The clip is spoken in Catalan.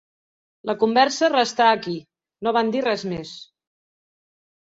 La conversa restà aquí: no van dir res més.